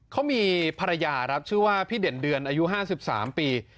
เขามีภรรยาครับชื่อว่าพี่เด่นเดือนอายุ๕๓ปี